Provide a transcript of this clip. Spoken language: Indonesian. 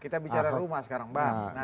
kita bicara rumah sekarang mbak